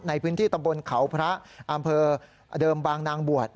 ในพื้นที่ตำบลเขาพระอำเภอเดิมบางนางบวช